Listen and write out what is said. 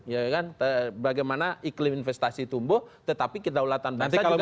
ya kan bagaimana iklim investasi tumbuh tetapi kedaulatan bangsa juga